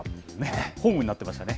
ホームになってましたね。